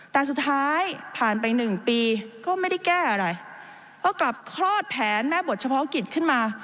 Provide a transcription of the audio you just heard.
แต่สุดท้ายผ่านไปหนึ่งปีก็ไม่ได้แก้อะไรก็กลับคลอดแผนแม่บทเฉพาะกิจขึ้นมา